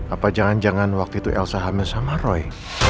apa jangan jangan waktu itu elsa hamil sama roy